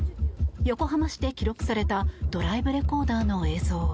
横浜市で記録されたドライブレコーダーの映像。